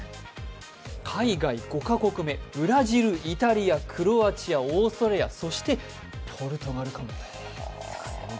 海外５か国目、ブラジル、イタリア、クロアチア、オーストラリアそして、ポルトガルかと。